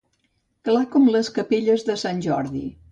Clar com les capelles de sant Jordi.